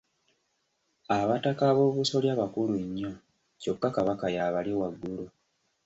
Abataka aboobusolya bakulu nnyo kyokka Kabaka y’abali waggulu.